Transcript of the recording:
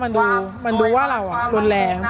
อย่างที่บอกไปว่าเรายังยึดในเรื่องของข้อ